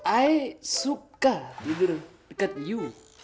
an suka tidur deket lu